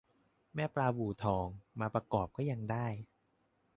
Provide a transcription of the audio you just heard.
แม่ปลาบู่ทอง มาประกอบก็ยังได้